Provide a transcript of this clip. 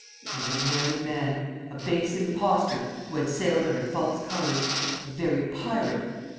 He was a married man a base impostor, who had sailed under false colours a very pirate.